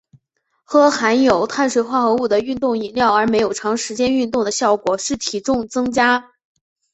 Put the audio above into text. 喝含有碳水化合物的运动饮料而没有长时间运动的效果是体重增加。